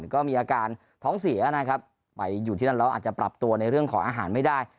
ก็มีอาการท้องเสียนะครับไปอยู่ที่นั่นแล้วอาจจะปรับตัวในเรื่องของอาหารไม่ได้